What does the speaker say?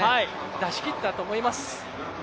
出し切ったと思います。